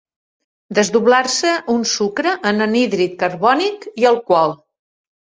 Desdoblar-se un sucre en anhídrid carbònic i alcohol.